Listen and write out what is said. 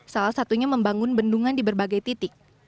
salah satunya membangun bendungan di berbagai titik